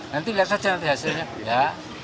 nanti lihat saja nanti hasilnya ya